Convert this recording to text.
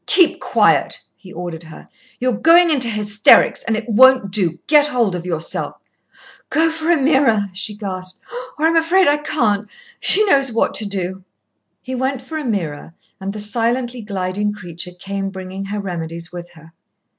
"Keep quiet," he ordered her. "You are going into hysterics, and it won't do. Get hold of yourself." "Go for Ameerah," she gasped, "or I'm afraid I can't. She knows what to do." He went for Ameerah, and the silently gliding creature came bringing her remedies with her.